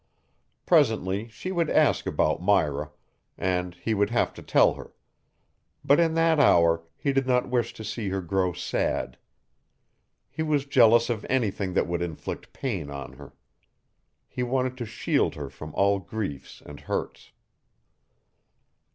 Presently she would ask about Myra, and he would have to tell her. But in that hour he did not wish to see her grow sad. He was jealous of anything that would inflict pain on her. He wanted to shield her from all griefs and hurts.